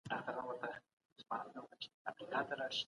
ایا د کدو استعمال د بدن حرارت کموي؟